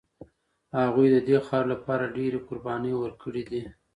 هغوی د دې خاورې لپاره ډېرې قربانۍ ورکړي دي.